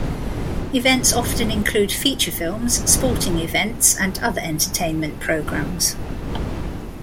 Events often include feature films, sporting events, and other entertainment programs.